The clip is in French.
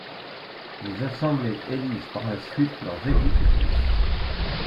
Les assemblées élisent par la suite leurs exécutifs.